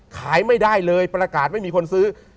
ขายไม่ได้เลยประกาศไม่มีคนซื้อ